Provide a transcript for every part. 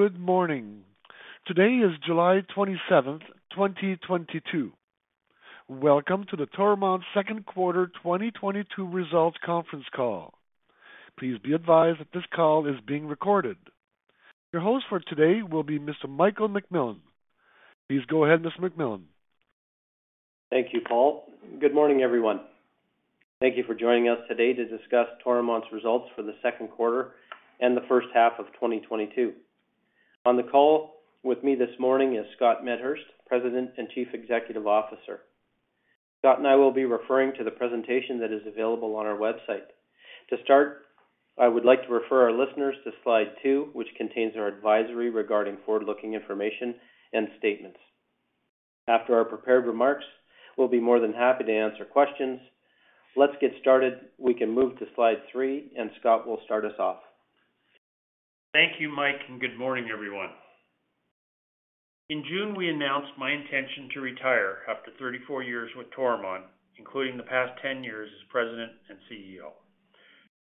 Good morning. Today is July 27, 2022. Welcome to the Toromont second quarter 2022 results conference call. Please be advised that this call is being recorded. Your host for today will be Mr. Mike McMillan. Please go ahead, Mr. McMillan. Thank you, Paul. Good morning, everyone. Thank you for joining us today to discuss Toromont's results for the second quarter and the first half of 2022. On the call with me this morning is Scott Medhurst, President and Chief Executive Officer. Scott and I will be referring to the presentation that is available on our website. To start, I would like to refer our listeners to slide two, which contains our advisory regarding forward-looking information and statements. After our prepared remarks, we'll be more than happy to answer questions. Let's get started. We can move to slide three, and Scott will start us off. Thank you, Mike, and good morning, everyone. In June, we announced my intention to retire after 34 years with Toromont, including the past 10 years as President and CEO.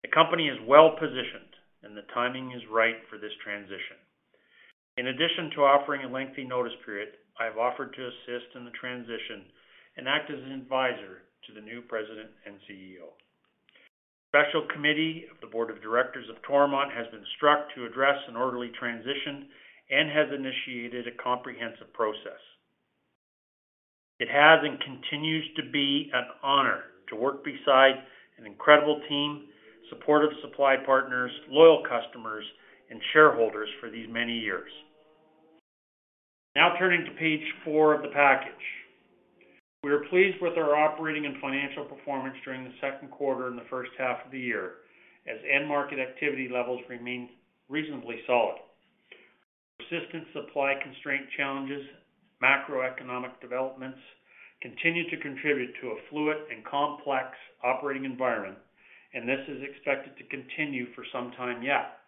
The company is well positioned and the timing is right for this transition. In addition to offering a lengthy notice period, I have offered to assist in the transition and act as an advisor to the new President and CEO. Special committee of the Board of Directors of Toromont has been struck to address an orderly transition and has initiated a comprehensive process. It has and continues to be an honor to work beside an incredible team, supportive supply partners, loyal customers, and shareholders for these many years. Now turning to page four of the package. We are pleased with our operating and financial performance during the second quarter and the first half of the year as end market activity levels remain reasonably solid. Persistent supply constraint challenges and macroeconomic developments continue to contribute to a fluid and complex operating environment, and this is expected to continue for some time yet.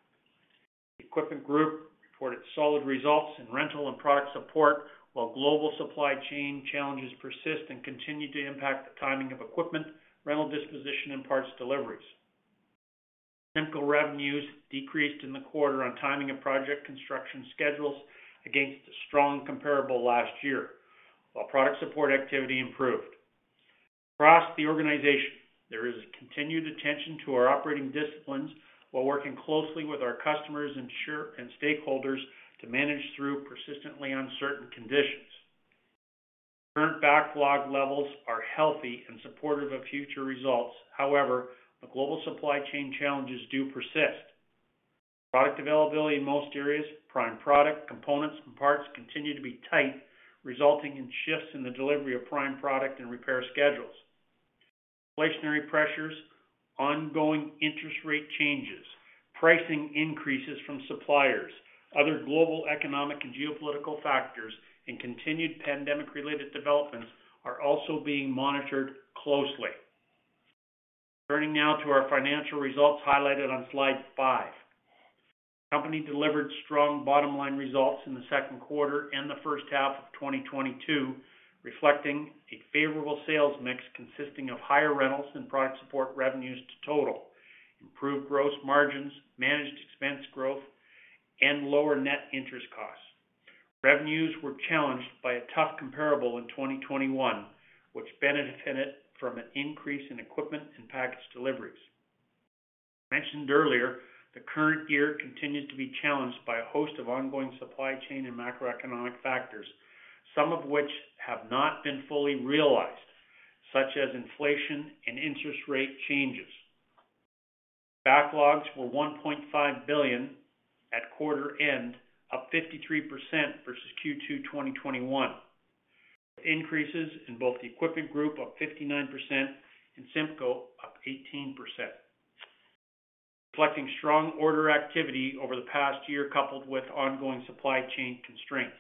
Equipment Group reported solid results in rental and product support, while global supply chain challenges persist and continue to impact the timing of equipment, rental disposition, and parts deliveries. CIMCO revenues decreased in the quarter on timing of project construction schedules against a strong comparable last year, while product support activity improved. Across the organization, there is a continued attention to our operating disciplines while working closely with our customers and shareholders and stakeholders to manage through persistently uncertain conditions. Current backlog levels are healthy and supportive of future results. However, the global supply chain challenges do persist. Product availability in most areas, prime product, components and parts continue to be tight, resulting in shifts in the delivery of prime product and repair schedules. Inflationary pressures, ongoing interest rate changes, pricing increases from suppliers, other global economic and geopolitical factors, and continued pandemic related developments are also being monitored closely. Turning now to our financial results highlighted on slide five. Company delivered strong bottom line results in the second quarter and the first half of 2022, reflecting a favorable sales mix consisting of higher rentals and product support revenues to total, improved gross margins, managed expense growth, and lower net interest costs. Revenues were challenged by a tough comparable in 2021, which benefited from an increase in equipment and package deliveries. Mentioned earlier, the current year continued to be challenged by a host of ongoing supply chain and macroeconomic factors, some of which have not been fully realized, such as inflation and interest rate changes. Backlogs were 1.5 billion at quarter end, up 53% versus Q2 2021, with increases in both the Equipment Group up 59% and CIMCO up 18%, reflecting strong order activity over the past year, coupled with ongoing supply chain constraints.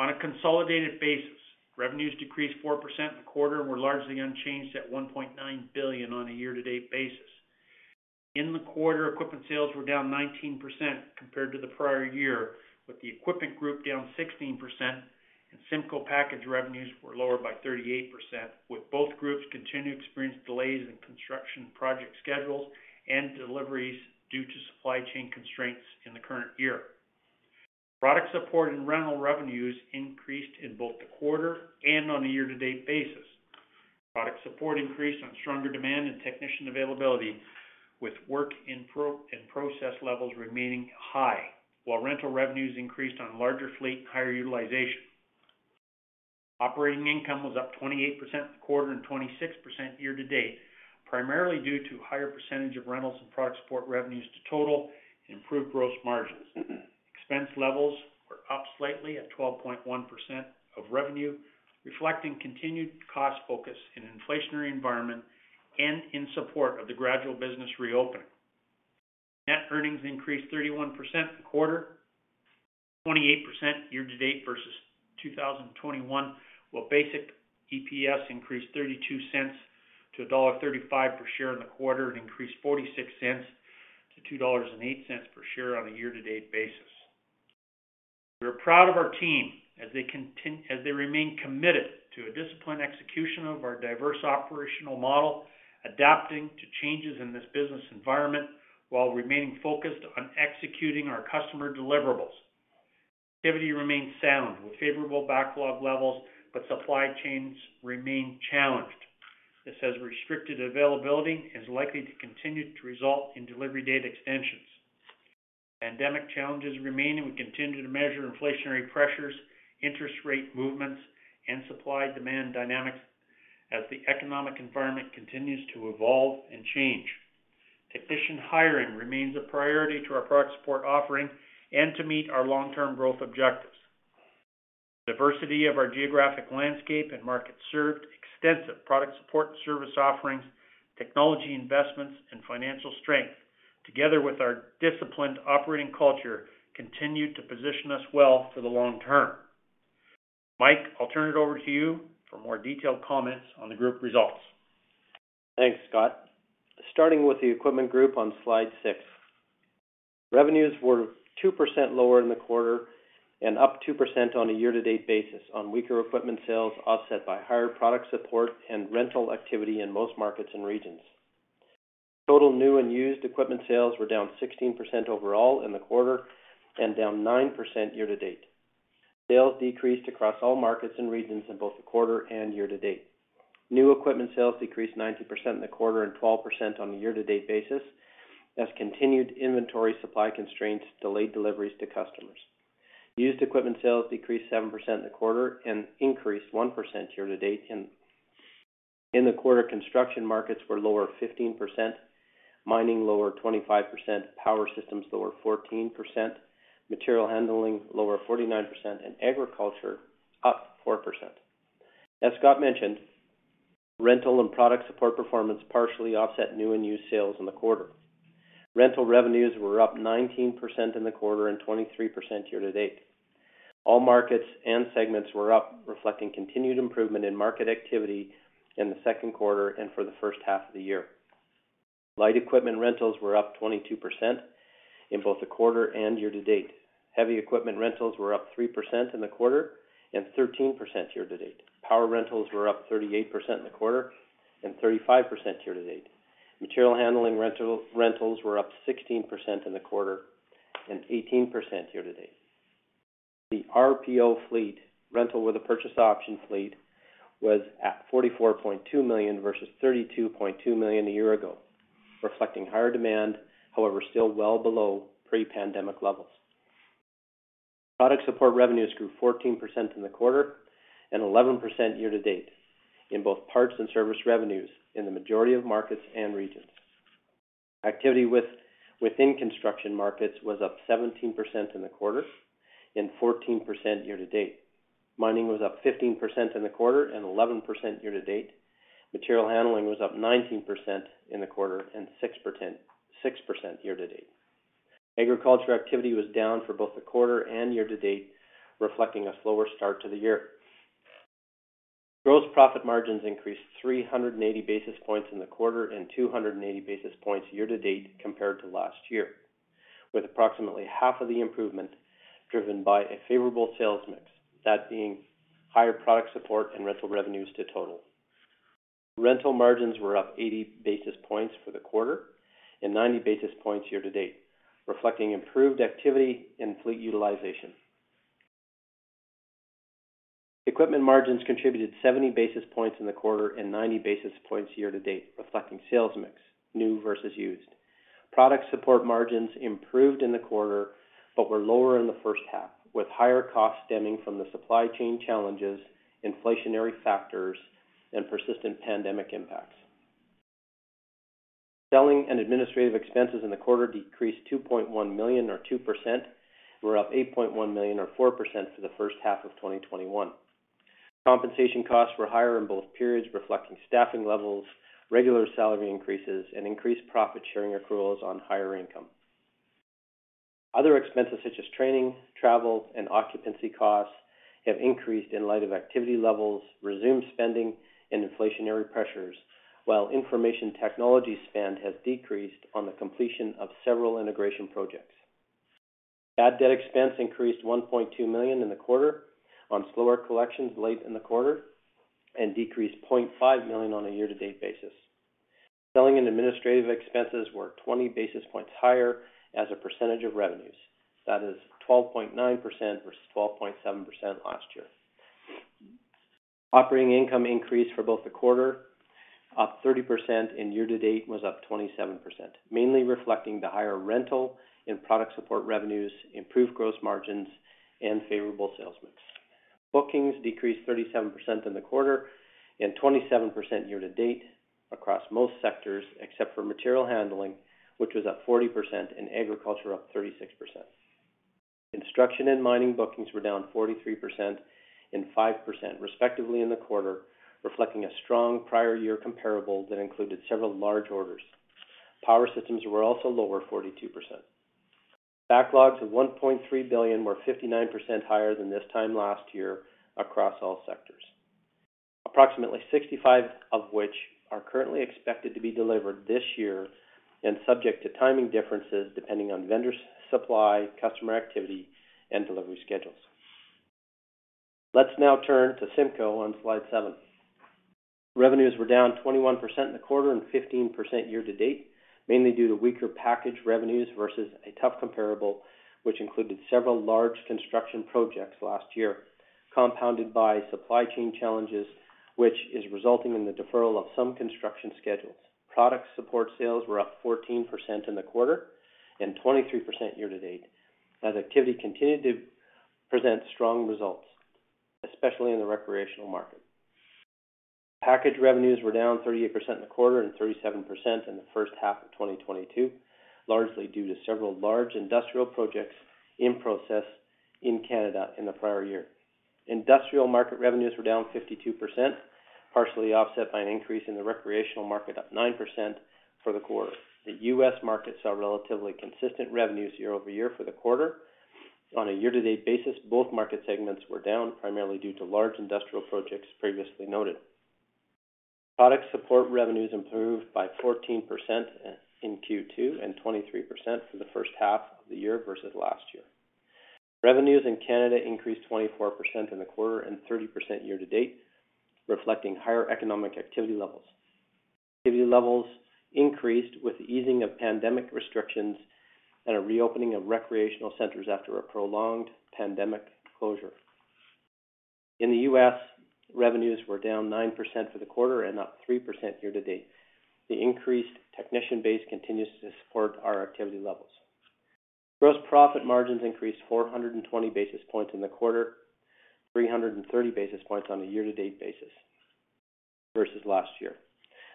On a consolidated basis, revenues decreased 4% in the quarter and were largely unchanged at 1.9 billion on a year-to-date basis. In the quarter, equipment sales were down 19% compared to the prior year, with the Equipment Group down 16% and CIMCO package revenues were lower by 38%, with both groups continuing to experience delays in construction project schedules and deliveries due to supply chain constraints in the current year. Product support and rental revenues increased in both the quarter and on a year-to-date basis. Product support increased on stronger demand and technician availability, with work in process levels remaining high while rental revenues increased on larger fleet and higher utilization. Operating income was up 28% quarter and 26% year-to-date, primarily due to higher percentage of rentals and product support revenues to total and improved gross margins. Expense levels were up slightly at 12.1% of revenue, reflecting continued cost focus in an inflationary environment and in support of the gradual business reopening. Net earnings increased 31% in the quarter, 28% year-to-date versus 2021, while basic EPS increased 0.32 to dollar 1.35 per share in the quarter and increased 0.46 to 2.08 dollars per share on a year-to-date basis. We are proud of our team as they remain committed to a disciplined execution of our diverse operational model, adapting to changes in this business environment while remaining focused on executing our customer deliverables. Activity remains sound with favorable backlog levels, but supply chains remain challenged. This has restricted availability and is likely to continue to result in delivery date extensions. Pandemic challenges remain, and we continue to measure inflationary pressures, interest rate movements, and supply-demand dynamics as the economic environment continues to evolve and change. Technician hiring remains a priority to our product support offering and to meet our long-term growth objectives. Diversity of our geographic landscape and market served, extensive product support service offerings, technology investments, and financial strength, together with our disciplined operating culture, continue to position us well for the long term. Mike, I'll turn it over to you for more detailed comments on the group results. Thanks, Scott. Starting with the Equipment Group on slide six. Revenues were 2% lower in the quarter and up 2% on a year-to-date basis on weaker equipment sales, offset by higher product support and rental activity in most markets and regions. Total new and used equipment sales were down 16% overall in the quarter and down 9% year-to-date. Sales decreased across all markets and regions in both the quarter and year-to-date. New equipment sales decreased 19% in the quarter and 12% on a year-to-date basis as continued inventory supply constraints delayed deliveries to customers. Used equipment sales decreased 7% in the quarter and increased 1% year-to-date. In the quarter, construction markets were lower 15%, mining lower 25%, power systems lower 14%, material handling lower 49%, and agriculture up 4%. As Scott mentioned, rental and product support performance partially offset new and used sales in the quarter. Rental revenues were up 19% in the quarter and 23% year-to-date. All markets and segments were up, reflecting continued improvement in market activity in the second quarter and for the first half of the year. Light equipment rentals were up 22% in both the quarter and year-to-date. Heavy equipment rentals were up 3% in the quarter and 13% year-to-date. Power rentals were up 38% in the quarter and 35% year-to-date. Material handling rentals were up 16% in the quarter and 18% year-to-date. The RPO fleet, rental with a purchase option fleet, was at 44.2 million versus 32.2 million a year ago, reflecting higher demand, however, still well below pre-pandemic levels. Product support revenues grew 14% in the quarter and 11% year-to-date in both parts and service revenues in the majority of markets and regions. Activity within construction markets was up 17% in the quarter and 14% year-to-date. Mining was up 15% in the quarter and 11% year-to-date. Material handling was up 19% in the quarter and 6% year-to-date. Agriculture activity was down for both the quarter and year-to-date, reflecting a slower start to the year. Gross profit margins increased 380 basis points in the quarter and 280 basis points year-to-date compared to last year, with approximately half of the improvement driven by a favorable sales mix, that being higher product support and rental revenues to total. Rental margins were up 80 basis points for the quarter and 90 basis points year-to-date, reflecting improved activity and fleet utilization. Equipment margins contributed 70 basis points in the quarter and 90 basis points year-to-date, reflecting sales mix, new versus used. Product support margins improved in the quarter but were lower in the first half, with higher costs stemming from the supply chain challenges, inflationary factors, and persistent pandemic impacts. Selling and administrative expenses in the quarter decreased 2.1 million or 2% and were up 8.1 million or 4% for the first half of 2021. Compensation costs were higher in both periods, reflecting staffing levels, regular salary increases, and increased profit sharing accruals on higher income. Other expenses such as training, travel, and occupancy costs have increased in light of activity levels, resumed spending, and inflationary pressures, while information technology spend has decreased on the completion of several integration projects. Bad debt expense increased 1.2 million in the quarter on slower collections late in the quarter and decreased 0.5 million on a year-to-date basis. Selling and administrative expenses were 20 basis points higher as a percentage of revenues. That is 12.9% versus 12.7% last year. Operating income increased for both the quarter, up 30%, and year-to-date was up 27%, mainly reflecting the higher rental and product support revenues, improved gross margins, and favorable sales mix. Bookings decreased 37% in the quarter and 27% year-to-date across most sectors except for material handling, which was up 40%, and agriculture up 36%. Construction and mining bookings were down 43% and 5%, respectively, in the quarter, reflecting a strong prior year comparable that included several large orders. Power systems were also lower 42%. Backlogs of 1.3 billion were 59% higher than this time last year across all sectors. Approximately 65% of which are currently expected to be delivered this year and subject to timing differences depending on vendor supply, customer activity, and delivery schedules. Let's now turn to CIMCO on slide seven. Revenues were down 21% in the quarter and 15% year-to-date, mainly due to weaker package revenues versus a tough comparable, which included several large construction projects last year, compounded by supply chain challenges, which is resulting in the deferral of some construction schedules. Product support sales were up 14% in the quarter and 23% year-to-date as activity continued to present strong results, especially in the recreational market. Package revenues were down 38% in the quarter and 37% in the first half of 2022, largely due to several large industrial projects in process in Canada in the prior year. Industrial market revenues were down 52%, partially offset by an increase in the recreational market, up 9% for the quarter. The U.S. markets saw relatively consistent revenues year-over-year for the quarter. On a year-to-date basis, both market segments were down primarily due to large industrial projects previously noted. Product support revenues improved by 14% in Q2, and 23% for the first half of the year versus last year. Revenues in Canada increased 24% in the quarter and 30% year-to-date, reflecting higher economic activity levels. Activity levels increased with the easing of pandemic restrictions and a reopening of recreational centers after a prolonged pandemic closure. In the U.S., revenues were down 9% for the quarter and up 3% year-to-date. The increased technician base continues to support our activity levels. Gross profit margins increased 420 basis points in the quarter, 330 basis points on a year-to-date basis versus last year.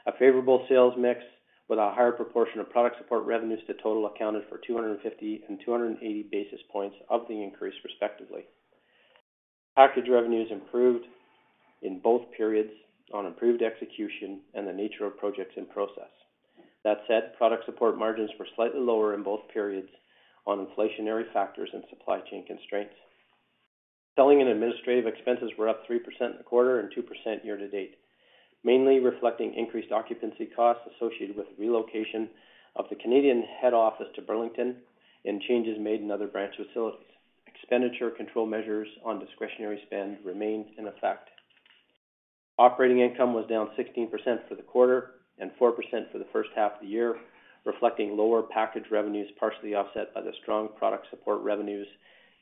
A favorable sales mix with a higher proportion of product support revenues to total accounted for 250 and 280 basis points of the increase, respectively. Packaged revenues improved in both periods on improved execution and the nature of projects in process. That said, product support margins were slightly lower in both periods on inflationary factors and supply chain constraints. Selling and administrative expenses were up 3% in the quarter and 2% year-to-date, mainly reflecting increased occupancy costs associated with relocation of the Canadian head office to Burlington and changes made in other branch facilities. Expenditure control measures on discretionary spend remained in effect. Operating income was down 16% for the quarter and 4% for the first half of the year, reflecting lower package revenues, partially offset by the strong product support revenues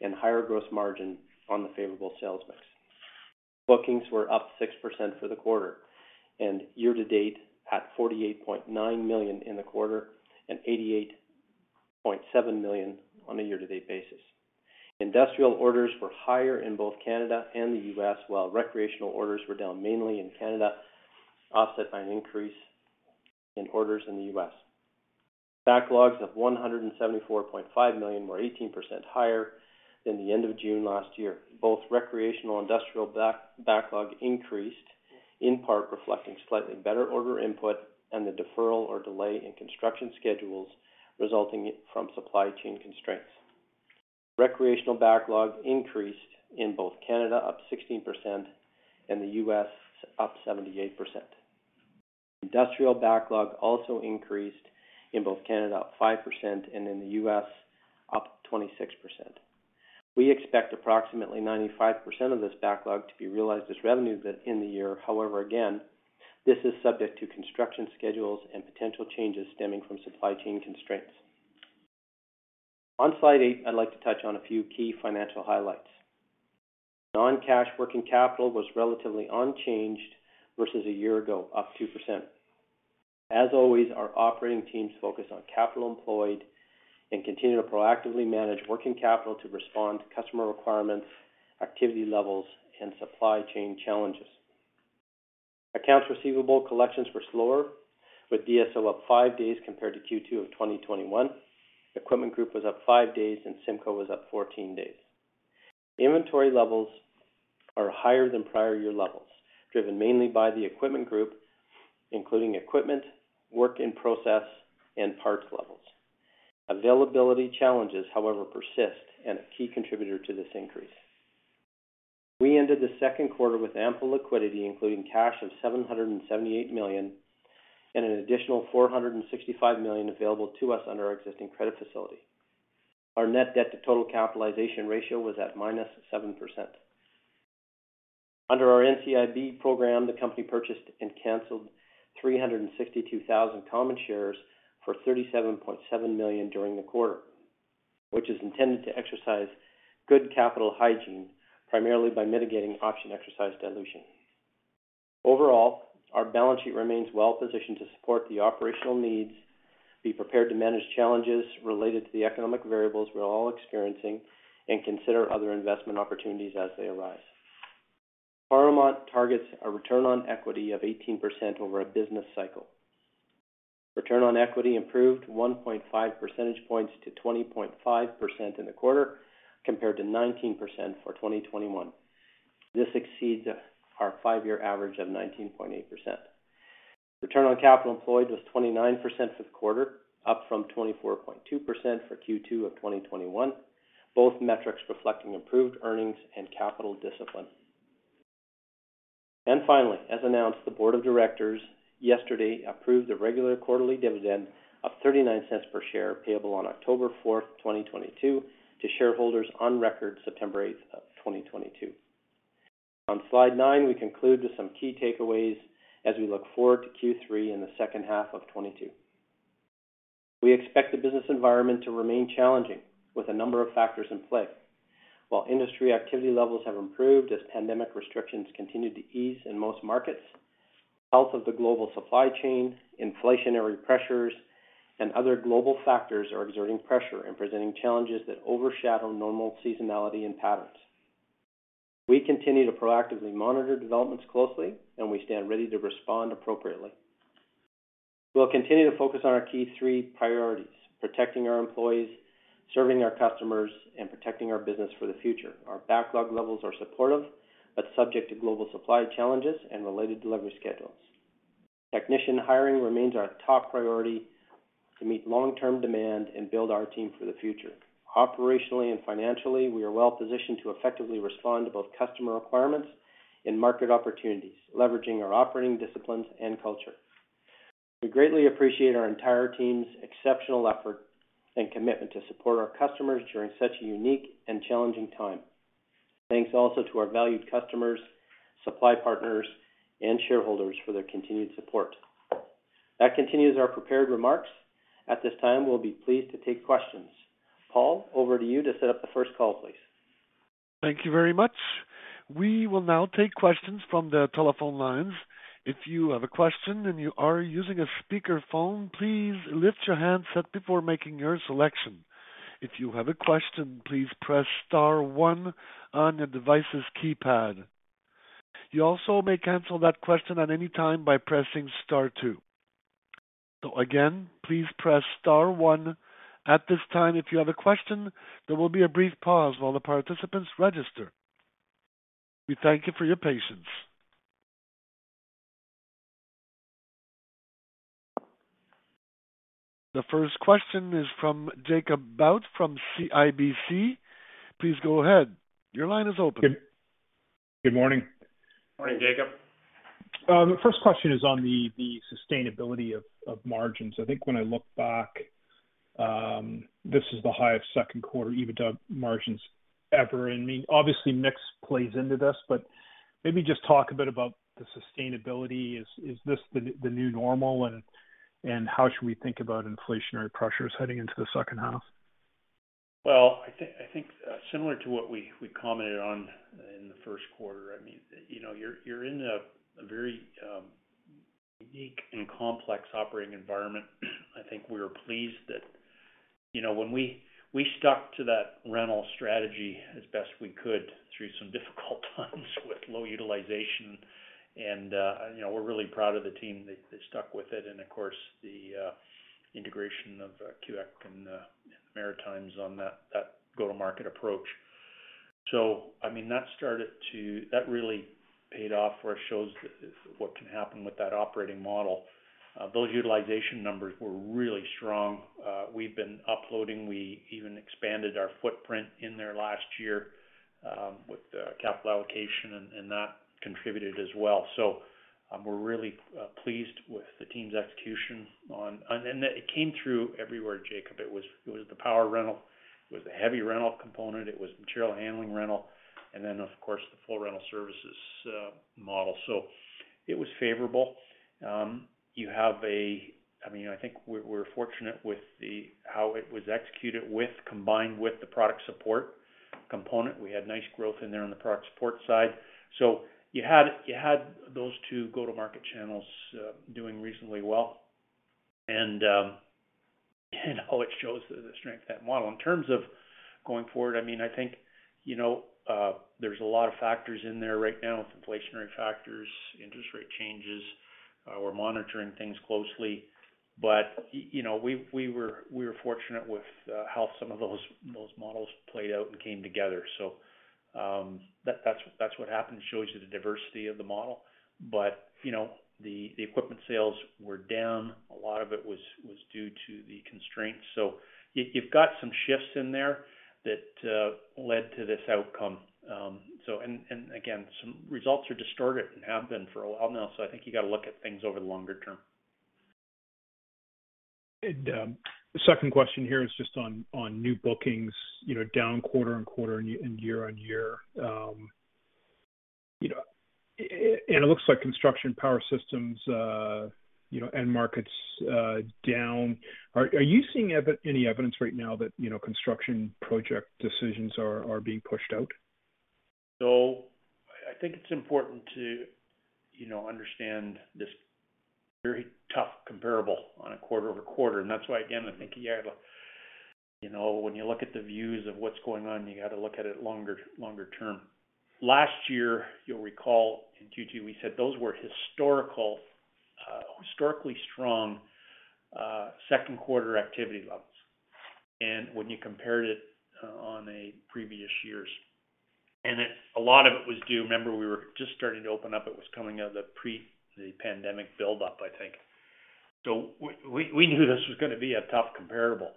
and higher gross margin on the favorable sales mix. Bookings were up 6% for the quarter and year-to-date at 48.9 million in the quarter and 88.7 million on a year-to-date basis. Industrial orders were higher in both Canada and the U.S., while recreational orders were down mainly in Canada, offset by an increase in orders in the U.S. Backlogs of 174.5 million were 18% higher than the end of June last year. Both recreational industrial backlog increased, in part reflecting slightly better order input and the deferral or delay in construction schedules resulting from supply chain constraints. Recreational backlog increased in both Canada, up 16%, and the U.S., up 78%. Industrial backlog also increased in both Canada, up 5%, and in the U.S., up 26%. We expect approximately 95% of this backlog to be realized as revenue within the year. However, again, this is subject to construction schedules and potential changes stemming from supply chain constraints. On slide eight, I'd like to touch on a few key financial highlights. Non-cash working capital was relatively unchanged versus a year ago, up 2%. As always, our operating teams focus on capital employed and continue to proactively manage working capital to respond to customer requirements, activity levels, and supply chain challenges. Accounts receivable collections were slower, with DSO up five days compared to Q2 of 2021. Equipment Group was up five days, and CIMCO was up 14 days. Inventory levels are higher than prior year levels, driven mainly by the Equipment Group, including equipment, work in process, and parts levels. Availability challenges, however, persist and a key contributor to this increase. We ended the second quarter with ample liquidity, including cash of 778 million and an additional 465 million available to us under our existing credit facility. Our net debt to total capitalization ratio was at -7%. Under our NCIB program, the company purchased and canceled 362,000 common shares for 37.7 million during the quarter, which is intended to exercise good capital hygiene primarily by mitigating option exercise dilution. Overall, our balance sheet remains well positioned to support the operational needs, be prepared to manage challenges related to the economic variables we're all experiencing, and consider other investment opportunities as they arise. Toromont targets a return on equity of 18% over a business cycle. Return on equity improved 1.5 percentage points to 20.5% in the quarter, compared to 19% for 2021. This exceeds our five-year average of 19.8%. Return on capital employed was 29% this quarter, up from 24.2% for Q2 of 2021, both metrics reflecting improved earnings and capital discipline. Finally, as announced, the Board of Directors yesterday approved a regular quarterly dividend of 0.39 per share, payable on October 4, 2022 to shareholders of record September 8, 2022. On slide nine, we conclude with some key takeaways as we look forward to Q3 in the second half of 2022. We expect the business environment to remain challenging with a number of factors in play. While industry activity levels have improved as pandemic restrictions continue to ease in most markets, health of the global supply chain, inflationary pressures, and other global factors are exerting pressure and presenting challenges that overshadow normal seasonality and patterns. We continue to proactively monitor developments closely, and we stand ready to respond appropriately. We'll continue to focus on our key three priorities. Protecting our employees, serving our customers, and protecting our business for the future. Our backlog levels are supportive, but subject to global supply challenges and related delivery schedules. Technician hiring remains our top priority to meet long term demand and build our team for the future. Operationally and financially, we are well positioned to effectively respond to both customer requirements and market opportunities, leveraging our operating disciplines and culture. We greatly appreciate our entire team's exceptional effort and commitment to support our customers during such a unique and challenging time. Thanks also to our valued customers, supply partners, and shareholders for their continued support. That continues our prepared remarks. At this time, we'll be pleased to take questions. Paul, over to you to set up the first call, please. Thank you very much. We will now take questions from the telephone lines. If you have a question and you are using a speakerphone, please lift your handset before making your selection. If you have a question, please press star one on the device's keypad. You also may cancel that question at any time by pressing star two. Again, please press star one at this time if you have a question. There will be a brief pause while the participants register. We thank you for your patience. The first question is from Jacob Bout from CIBC. Please go ahead. Your line is open. Good morning. Morning, Jacob. My first question is on the sustainability of margins. I think when I look back, this is the highest second quarter EBITDA margins ever. I mean, obviously mix plays into this, but maybe just talk a bit about the sustainability. Is this the new normal? How should we think about inflationary pressures heading into the second half? Well, I think similar to what we commented on in the first quarter. I mean, you know, you're in a very unique and complex operating environment. I think we are pleased that, you know, when we stuck to that rental strategy as best we could through some difficult times with low utilization. You know, we're really proud of the team that stuck with it and of course, the integration of Quebec and Maritimes on that go-to-market approach. I mean, that really paid off for us, shows what can happen with that operating model. Those utilization numbers were really strong. We've been upholding. We even expanded our footprint in there last year with the capital allocation, and that contributed as well. We're really pleased with the team's execution. It came through everywhere, Jacob. It was the power rental, the heavy rental component, material handling rental, and then of course, the full rental services model. It was favorable. I mean, I think we're fortunate with how it was executed, combined with the product support component. We had nice growth in there on the product support side. You had those two go-to-market channels doing reasonably well. All it shows is the strength of that model. In terms of going forward, I mean, I think, you know, there's a lot of factors in there right now with inflationary factors, interest rate changes. We're monitoring things closely. You know, we were fortunate with how some of those models played out and came together. That's what happens. It shows you the diversity of the model. You know, the equipment sales were down. A lot of it was due to the constraints. You've got some shifts in there that led to this outcome. Again, some results are distorted and have been for a while now, so I think you got to look at things over the longer term. The second question here is just on new bookings, you know, down quarter-over-quarter and year-over-year. You know, and it looks like construction power systems, you know, end markets, down. Are you seeing any evidence right now that, you know, construction project decisions are being pushed out? I think it's important to, you know, understand this very tough comparable on a quarter-over-quarter basis. That's why, again, I think you gotta, you know, when you look at the views of what's going on, you got to look at it longer term. Last year, you'll recall in Q2, we said those were historically strong second quarter activity levels. When you compared it on a previous year's, it, a lot of it was due. Remember, we were just starting to open up. It was coming out of the pre-pandemic buildup, I think. We knew this was gonna be a tough comparable.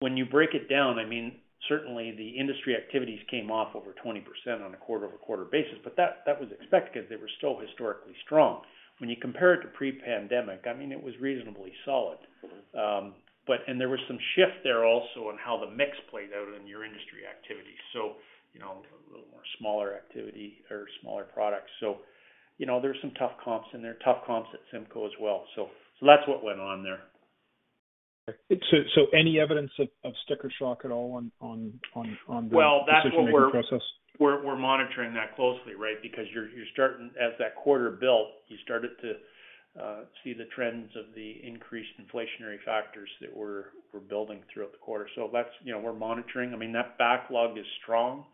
When you break it down, I mean, certainly the industry activities came off over 20% on a quarter-over-quarter basis, but that was expected because they were still historically strong. When you compare it to pre-pandemic, I mean, it was reasonably solid. There was some shift there also on how the mix played out in your industry activity. You know, a little more smaller activity or smaller products. You know, there's some tough comps in there, tough comps at CIMCO as well. So that's what went on there. Any evidence of sticker shock at all on the- Well, that's what we're. positioning process? We're monitoring that closely, right? Because as that quarter built, you started to see the trends of the increased inflationary factors that were building throughout the quarter. That's, you know, we're monitoring. I mean, that backlog is strong.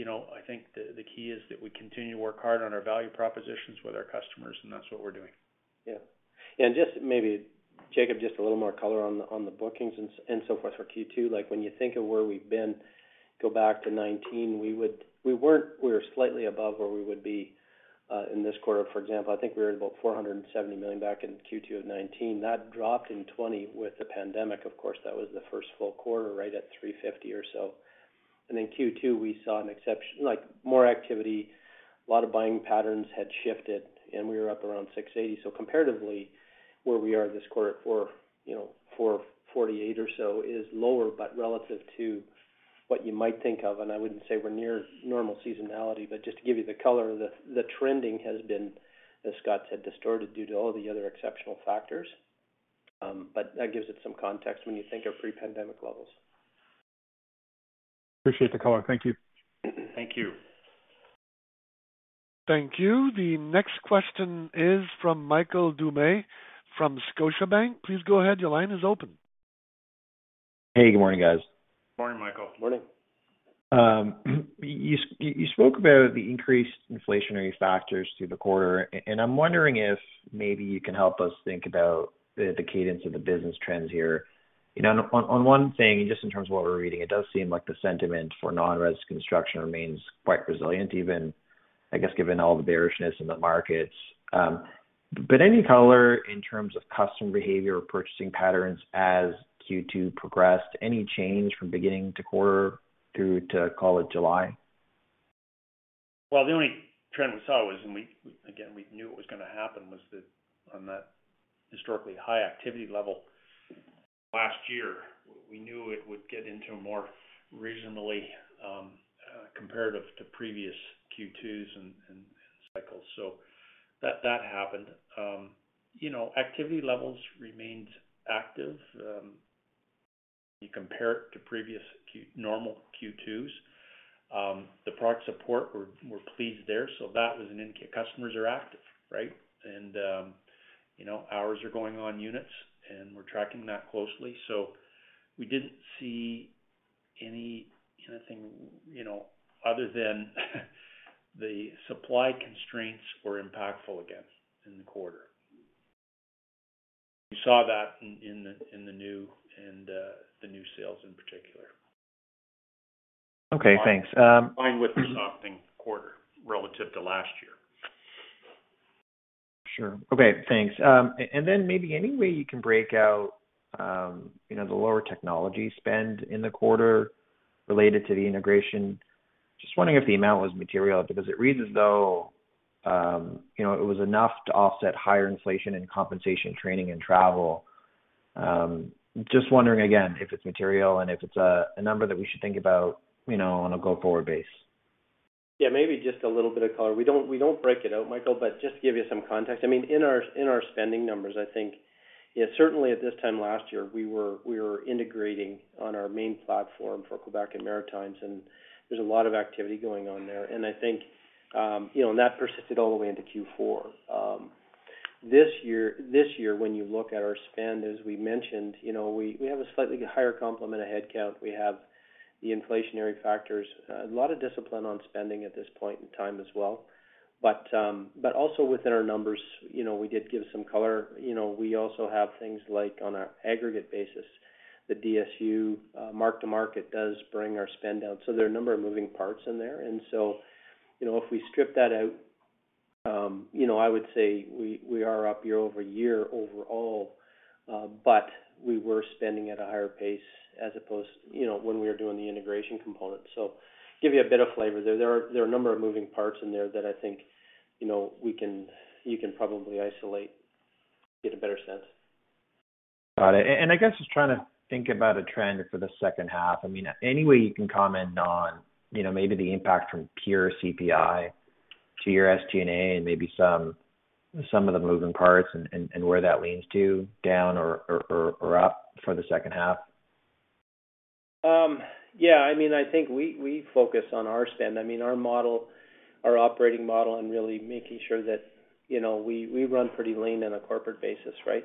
You know, I think the key is that we continue to work hard on our value propositions with our customers, and that's what we're doing. Yeah. Just maybe, Jacob, just a little more color on the bookings and so forth for Q2. Like, when you think of where we've been, go back to 2019, we were slightly above where we would be in this quarter. For example, I think we were at about 470 million back in Q2 of 2019. That dropped in 2020 with the pandemic, of course, that was the first full quarter, right at 350 or so. Then Q2, we saw an exceptional, like more activity, a lot of buying patterns had shifted, and we were up around 680. Comparatively, where we are this quarter at 44, you know, 48 or so is lower, but relative to what you might think of, and I wouldn't say we're near normal seasonality, but just to give you the color, the trending has been, as Scott said, distorted due to all the other exceptional factors. That gives it some context when you think of pre-pandemic levels. Appreciate the color. Thank you. Thank you. Thank you. The next question is from Michael Doumet from Scotiabank. Please go ahead. Your line is open. Hey, good morning, guys. Morning, Michael. Morning. You spoke about the increased inflationary factors through the quarter, and I'm wondering if maybe you can help us think about the cadence of the business trends here. You know, on one thing, just in terms of what we're reading, it does seem like the sentiment for non-res construction remains quite resilient, even, I guess, given all the bearishness in the markets. But any color in terms of customer behavior or purchasing patterns as Q2 progressed, any change from beginning to quarter through to, call it July? Well, the only trend we saw was, and again, we knew it was gonna happen, was that on that historically high activity level last year, we knew it would get into a more reasonable comparative to previous Q2s and cycles. That happened. You know, activity levels remained active. You compare it to previous normal Q2s. The product support, we're pleased there. That was an indicator, customers are active, right? You know, hours are going on units, and we're tracking that closely. We didn't see anything, you know, other than the supply constraints were impactful again in the quarter. We saw that in the new sales in particular. Okay. Thanks. Line with the softening quarter relative to last year. Sure. Okay, thanks. Maybe any way you can break out, you know, the lower technology spend in the quarter related to the integration. Just wondering if the amount was material because it reads as though, you know, it was enough to offset higher inflation and compensation, training and travel. Just wondering again if it's material and if it's a number that we should think about, you know, on a go-forward basis. Yeah, maybe just a little bit of color. We don't break it out, Michael, but just to give you some context. I mean, in our spending numbers, I think, yeah, certainly at this time last year, we were integrating on our main platform for Quebec and Maritimes, and there's a lot of activity going on there. I think, you know, and that persisted all the way into Q4. This year when you look at our spend, as we mentioned, you know, we have a slightly higher complement of headcount. We have the inflationary factors, a lot of discipline on spending at this point in time as well. Also within our numbers, you know, we did give some color. You know, we also have things like on our aggregate basis, the DSU, mark-to-market does bring our spend down. There are a number of moving parts in there. You know, if we strip that out, you know, I would say we are up year-over-year overall, but we were spending at a higher pace as opposed, you know, when we were doing the integration component. Give you a bit of flavor. There are a number of moving parts in there that I think, you know, you can probably isolate, get a better sense. Got it. I guess just trying to think about a trend for the second half. I mean, any way you can comment on, you know, maybe the impact from pure CPI to your SG&A and maybe some of the moving parts and where that leans to down or up for the second half? Yeah, I mean, I think we focus on our spend. I mean, our model, our operating model and really making sure that, you know, we run pretty lean on a corporate basis, right?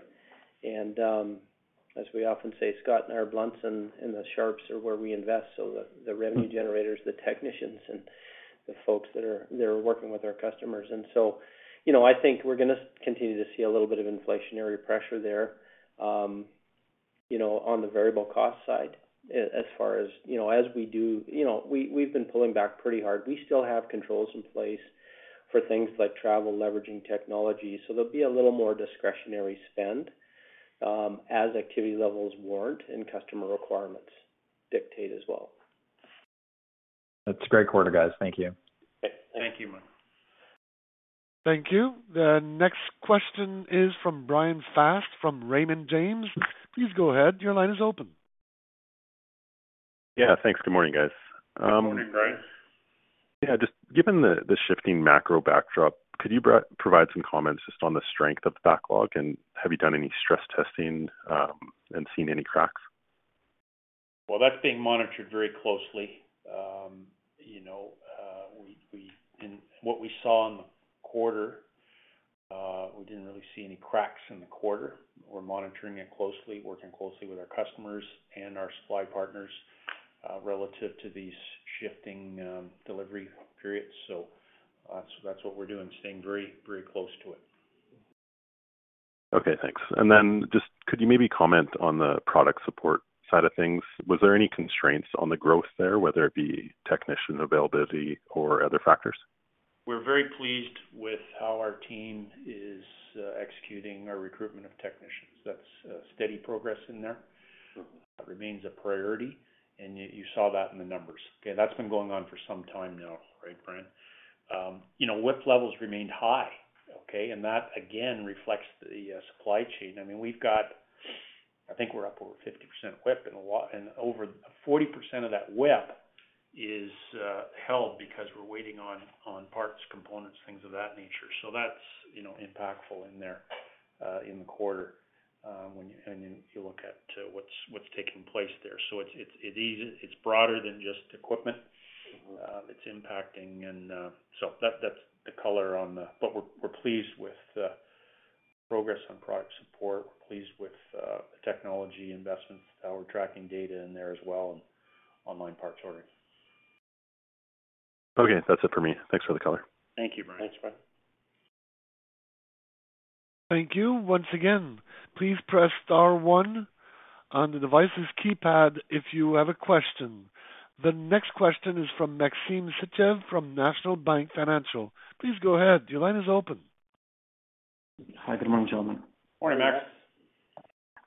As we often say, Scott and our fronts and the shops are where we invest. The revenue generators, the technicians and the folks that are working with our customers. You know, I think we're gonna continue to see a little bit of inflationary pressure there, you know, on the variable cost side. As far as, you know, as we do. You know, we've been pulling back pretty hard. We still have controls in place for things like travel, leveraging technology. There'll be a little more discretionary spend, as activity levels warrant and customer requirements dictate as well. It's a great quarter, guys. Thank you. Thank you, Mike. Thank you. The next question is from Bryan Fast from Raymond James. Please go ahead. Your line is open. Yeah. Thanks. Good morning, guys. Good morning, Bryan. Yeah. Just given the shifting macro backdrop, could you provide some comments just on the strength of the backlog? Have you done any stress testing, and seen any cracks? Well, that's being monitored very closely. You know, in what we saw in the quarter, we didn't really see any cracks in the quarter. We're monitoring it closely, working closely with our customers and our supply partners, relative to these shifting delivery periods. That's what we're doing, staying very, very close to it. Okay, thanks. Just could you maybe comment on the product support side of things? Was there any constraints on the growth there, whether it be technician availability or other factors? We're very pleased with how our team is executing our recruitment of technicians. That's steady progress in there. Mm-hmm. That remains a priority, and you saw that in the numbers. Okay, that's been going on for some time now, right, Bryan? You know, WIP levels remained high, okay? That again reflects the supply chain. I mean, we've got I think we're up over 50% WIP and a lot and over 40% of that WIP is held because we're waiting on parts, components, things of that nature. So that's, you know, impactful in there in the quarter when you and then you look at what's taking place there. So it's broader than just equipment. It's impacting. So that's the color on the. We're pleased with the progress on product support. We're pleased with the technology investments. How we're tracking data in there as well and online parts ordering. Okay. That's it for me. Thanks for the color. Thank you, Bryan. Thanks, Bryan. Thank you. Once again, please press star one on the device's keypad if you have a question. The next question is from Maxim Sytchev from National Bank Financial. Please go ahead. Your line is open. Hi. Good morning, gentlemen. Morning, Max.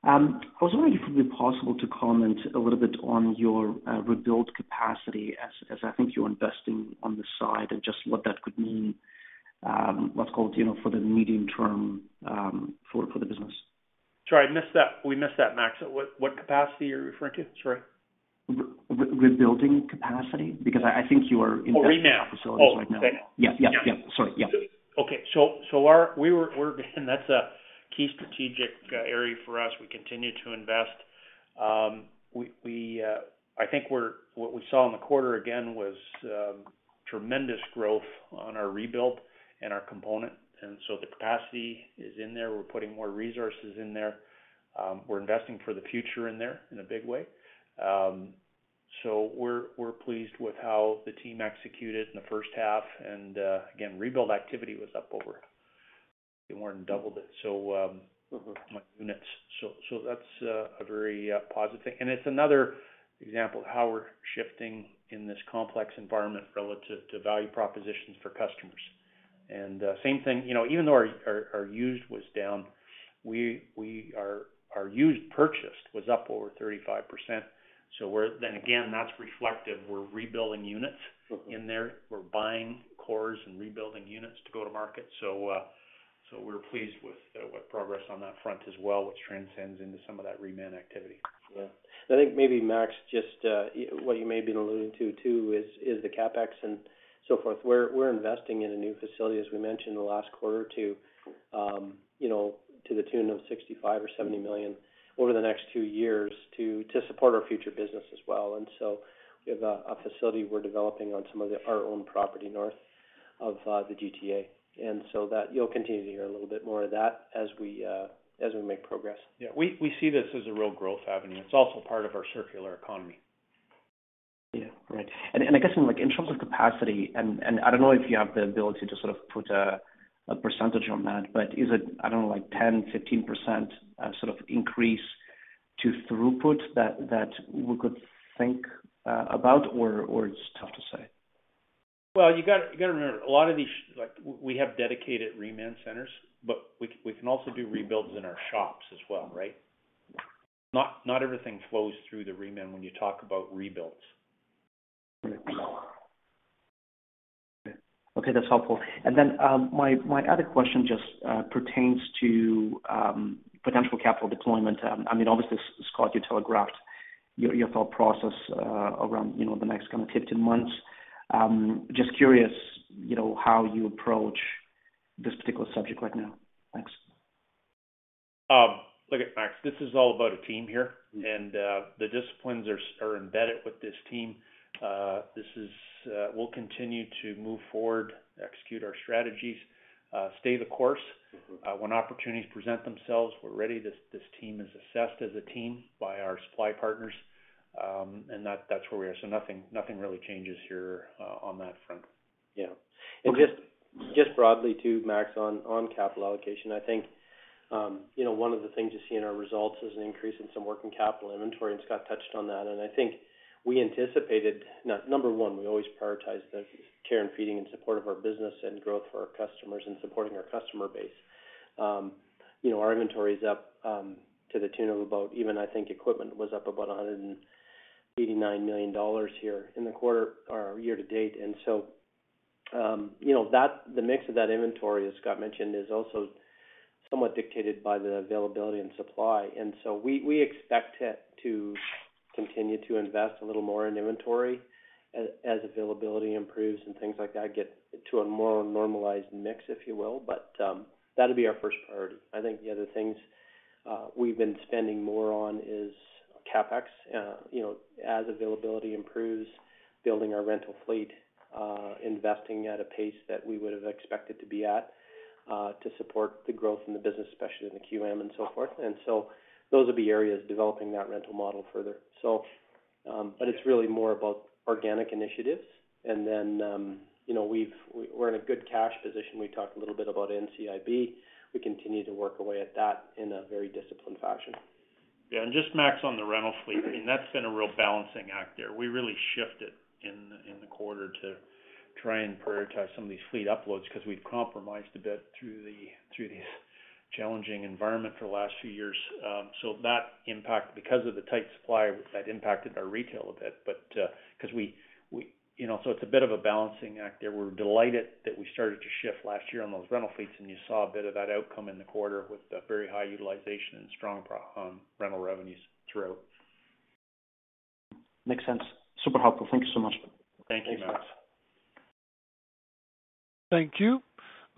Morning. I was wondering if it would be possible to comment a little bit on your rebuild capacity, as I think you're investing on the side and just what that could mean, let's call it, you know, for the medium term, for the business. Sorry, I missed that. We missed that, Max. What capacity are you referring to? Sorry. Rebuilding capacity. Because I think you are investing. Oh, reman. in that facility right now. Oh, okay. Yes. Sorry. Yeah. That's a key strategic area for us. We continue to invest. I think what we saw in the quarter again was tremendous growth on our rebuild and our component, and so the capacity is in there. We're putting more resources in there. We're investing for the future in there in a big way. We're pleased with how the team executed in the first half. Again, rebuild activity was up more than doubled it. Mm-hmm. Buying units. That's a very positive thing. It's another example of how we're shifting in this complex environment relative to value propositions for customers. Same thing, you know, even though our used was down, our used purchases was up over 35%. Again, that's reflective. We're rebuilding units. Mm-hmm. in there. We're buying cores and rebuilding units to go to market. We're pleased with what progress on that front as well, which transcends into some of that reman activity. Yeah. I think maybe Max, just what you may have been alluding to too is the CapEx and so forth. We're investing in a new facility, as we mentioned in the last quarter, to the tune of 65 million or 70 million over the next two years to support our future business as well. We have a facility we're developing on some of our own property north of the GTA. You'll continue to hear a little bit more of that as we make progress. Yeah. We see this as a real growth avenue. It's also part of our circular economy. Yeah. Right. I guess in like, in terms of capacity, I don't know if you have the ability to sort of put a percentage on that, but is it, I don't know, like 10, 15% sort of increase to throughput that we could think about, or it's tough to say? Well, you gotta remember, a lot of these, like we have dedicated reman centers, but we can also do rebuilds in our shops as well, right? Not everything flows through the reman when you talk about rebuilds. Okay. That's helpful. My other question just pertains to potential capital deployment. I mean, obviously, Scott, you telegraphed your thought process around, you know, the next kind of 15 months. Just curious, you know, how you approach this particular subject right now. Thanks. Look it, Maxim, this is all about a team here. Mm-hmm. The disciplines are embedded with this team. We'll continue to move forward, execute our strategies. Stay the course. When opportunities present themselves, we're ready. This team is assessed as a team by our supply partners. That's where we are. Nothing really changes here, on that front. Yeah. Just broadly to Max on capital allocation. I think, you know, one of the things you see in our results is an increase in some working capital inventory, and Scott touched on that. I think we anticipated. Now, number one, we always prioritize the care and feeding and support of our business and growth for our customers and supporting our customer base. You know, our inventory is up to the tune of about even I think equipment was up about 189 million dollars here in the quarter or year-to-date. You know, that the mix of that inventory, as Scott mentioned, is also somewhat dictated by the availability and supply. We expect it to continue to invest a little more in inventory as availability improves and things like that get to a more normalized mix, if you will. That'll be our first priority. I think the other things we've been spending more on is CapEx. As availability improves, building our rental fleet, investing at a pace that we would have expected to be at, to support the growth in the business, especially in the QM and so forth. Those will be areas developing that rental model further. It's really more about organic initiatives. We're in a good cash position. We talked a little bit about NCIB. We continue to work our way at that in a very disciplined fashion. Yeah. Just Max, on the rental fleet, I mean, that's been a real balancing act there. We really shifted in the quarter to try and prioritize some of these fleet uploads because we've compromised a bit through the challenging environment for the last few years. That impact, because of the tight supply, that impacted our retail a bit. 'Cause we you know, it's a bit of a balancing act there. We're delighted that we started to shift last year on those rental fleets, and you saw a bit of that outcome in the quarter with the very high utilization and strong rental revenues throughout. Makes sense. Super helpful. Thank you so much. Thank you, Maxim. Thank you.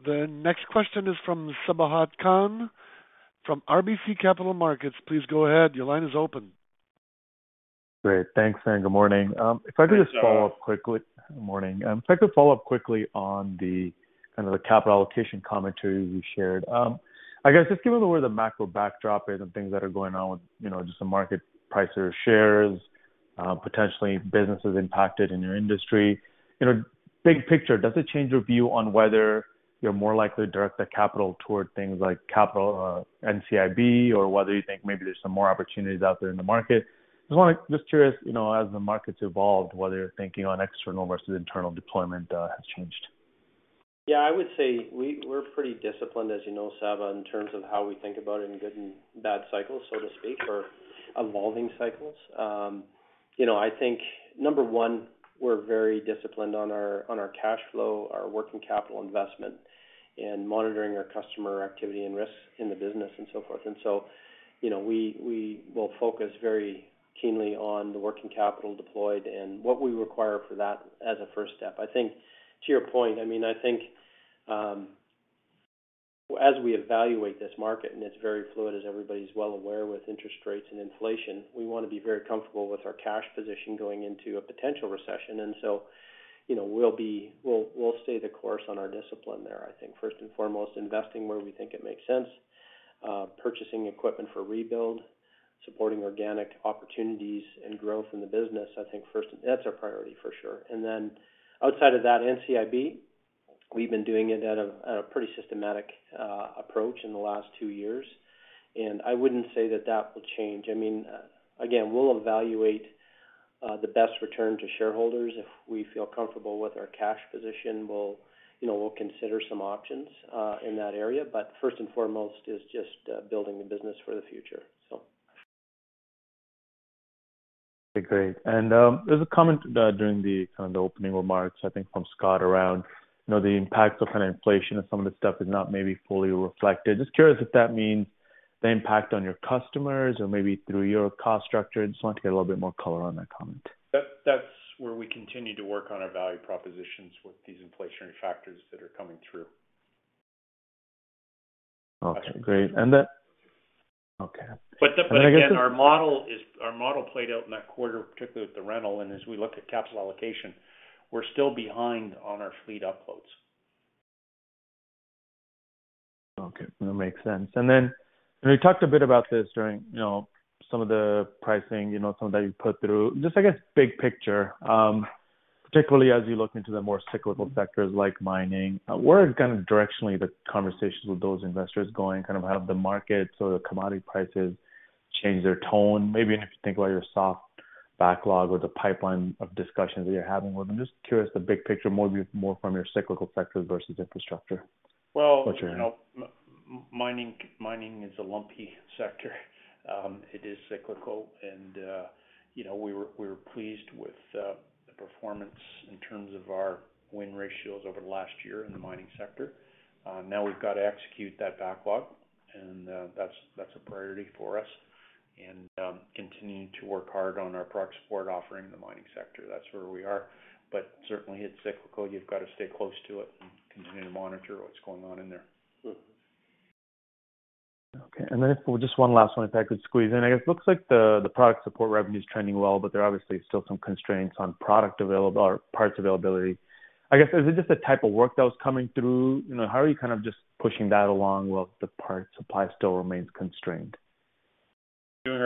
The next question is from Sabahat Khan from RBC Capital Markets. Please go ahead. Your line is open. Great. Thanks, and good morning. Good morning. If I could just follow up quickly. Morning. If I could follow up quickly on the kind of the capital allocation commentary you shared. I guess just give me where the macro backdrop is and things that are going on with, you know, just the market price or shares, potentially businesses impacted in your industry. You know, big picture, does it change your view on whether you're more likely to direct the capital toward things like capital, NCIB or whether you think maybe there's some more opportunities out there in the market? Just curious, you know, as the markets evolved, whether your thinking on external versus internal deployment has changed. Yeah. I would say we're pretty disciplined, as you know, Sabahat, in terms of how we think about it in good and bad cycles, so to speak, or evolving cycles. You know, I think, number one, we're very disciplined on our cash flow, our working capital investment, and monitoring our customer activity and risks in the business and so forth. You know, we will focus very keenly on the working capital deployed and what we require for that as a first step. I think to your point, I mean, I think, as we evaluate this market, and it's very fluid, as everybody's well aware, with interest rates and inflation, we wanna be very comfortable with our cash position going into a potential recession. You know, we'll stay the course on our discipline there. I think first and foremost, investing where we think it makes sense, purchasing equipment for rebuild, supporting organic opportunities and growth in the business. I think first, that's our priority for sure. Then outside of that, NCIB, we've been doing it at a pretty systematic approach in the last two years, and I wouldn't say that will change. I mean, again, we'll evaluate the best return to shareholders. If we feel comfortable with our cash position, we'll, you know, we'll consider some options in that area. First and foremost is just building the business for the future. Okay, great. There's a comment during the kind of opening remarks, I think from Scott around, you know, the impacts of kind of inflation and some of the stuff is not maybe fully reflected. Just curious if that means the impact on your customers or maybe through your cost structure. I just want to get a little bit more color on that comment. That's where we continue to work on our value propositions with these inflationary factors that are coming through. Okay, great. Okay. Again, our model played out in that quarter, particularly with the rental. As we look at capital allocation, we're still behind on our fleet uploads. Okay. That makes sense. We talked a bit about this during, you know, some of the pricing, you know, some that you put through. Just, I guess, big picture, particularly as you look into the more cyclical sectors like mining, where is kind of directionally the conversations with those investors going kind of out of the market? The commodity prices change their tone. Maybe if you think about your soft backlog or the pipeline of discussions that you're having with them. Just curious, the big picture more from your cyclical sectors versus infrastructure. Well, you know, mining is a lumpy sector. It is cyclical. You know, we were pleased with the performance in terms of our win ratios over the last year in the mining sector. Now we've got to execute that backlog, and that's a priority for us. Continuing to work hard on our product support offering in the mining sector. That's where we are. Certainly, it's cyclical. You've got to stay close to it and continue to monitor what's going on in there. Okay. Just one last one, if I could squeeze in. I guess it looks like the product support revenue is trending well, but there are obviously still some constraints on parts availability. I guess, is it just the type of work that was coming through? You know, how are you kind of just pushing that along while the part supply still remains constrained?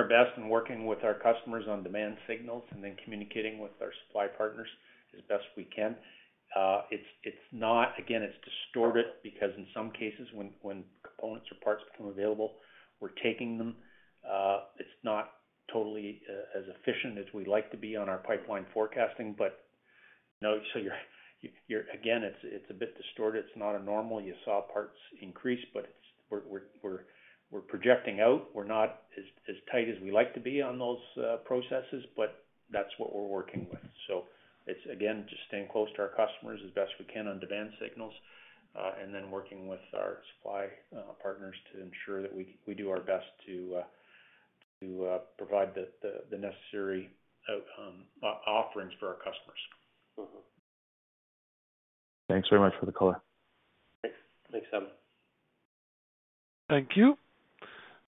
Doing our best and working with our customers on demand signals and then communicating with our supply partners as best we can. It's not. Again, it's distorted because in some cases when components or parts become available, we're taking them. It's not totally as efficient as we'd like to be on our pipeline forecasting, but you know, again, it's a bit distorted. It's not normal. You saw parts increase, but we're projecting out. We're not as tight as we like to be on those processes, but that's what we're working with. It's again just staying close to our customers as best we can on demand signals, and then working with our supply partners to ensure that we do our best to provide the necessary offerings for our customers. Mm-hmm. Thanks very much for the color. Thanks. Thanks, Sabahat. Thank you.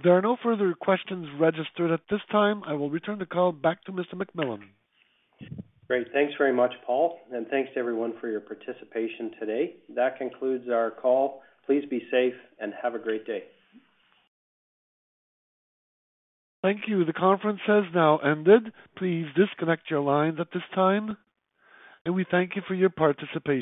There are no further questions registered at this time. I will return the call back to Mr. McMillan. Great. Thanks very much, Paul, and thanks to everyone for your participation today. That concludes our call. Please be safe and have a great day. Thank you. The conference has now ended. Please disconnect your lines at this time, and we thank you for your participation.